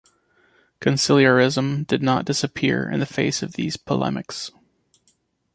Conciliarism did not disappear in the face of these polemics.